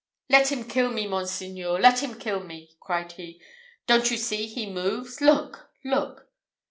"Let me kill him! monseigneur! Let me kill him!" cried he. "Don't you see he moves? look, look!"